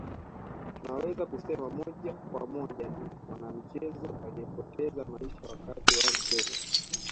Tunaweza kusema moja kwa moja ni mwanamichezo aliyepoteza maisha wakati wa michezo